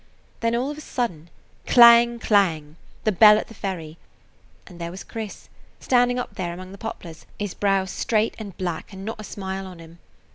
Then all of a sudden, clang! clang! the bell at the ferry. And there was Chris, standing up there among the poplars, his brows [Page 101] straight and black, and not a smile on him.